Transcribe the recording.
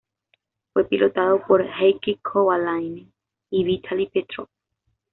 Fue pilotado por Heikki Kovalainen y Vitaly Petrov.